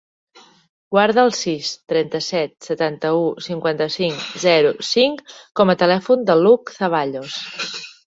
Guarda el sis, trenta-set, setanta-u, cinquanta-cinc, zero, cinc com a telèfon de l'Hug Zaballos.